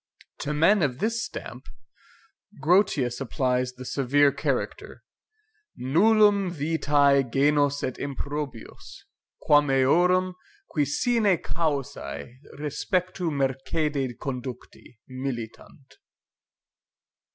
To men of this stamp, Grotius applies the severe character NULLUM VITAE GENUS ET IMPROBIUS, QUAM EORUM, QUI SINE CAUSAE RESPECTU MERCEDE CONDUCTI, MILITANT.